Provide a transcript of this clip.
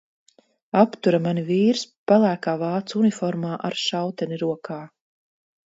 Aptura mani vīrs, pelēkā vācu uniformā ar šauteni rokā.